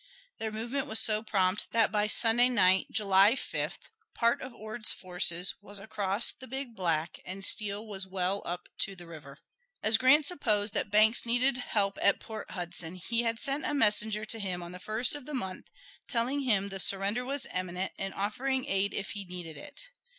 Their movement was so prompt that by Sunday night, July 5th, part of Ord's force was across the Big Black and Steele was well up to the river. As Grant supposed that Banks needed help at Port Hudson, he had sent a messenger to him on the 1st of the month telling him the surrender was imminent, and offering aid if he needed it.